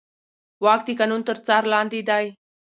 واک د قانون تر څار لاندې دی.